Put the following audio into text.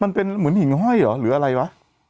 มันเป็นเหมือนหิ่งห้อยเหรอหรืออะไรวะ